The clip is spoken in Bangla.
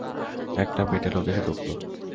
একটা বেঁটে লোক এসে ঢুকল।